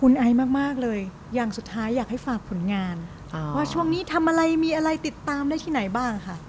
แล้วช่วงนี้ทำอะไรมีอะไรติดตามได้ที่ไหนบ้างค่ะ